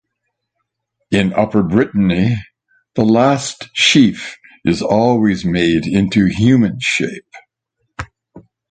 In Upper Brittany, the last sheaf is always made into human shape.